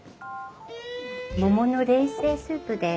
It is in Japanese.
桃の冷製スープです。